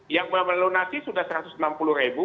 yang melalui nasi sudah rp satu ratus enam puluh